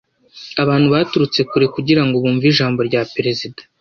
abantu baturutse kure kugira ngo bumve ijambo rya perezida